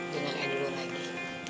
dan yang lainnya dulu lagi